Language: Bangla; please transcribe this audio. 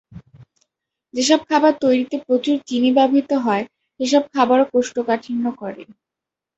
যেসব খাবার তৈরিতে প্রচুর চিনি ব্যবহৃত হয়, সেসব খাবারও কোষ্ঠকাঠিন্য করে।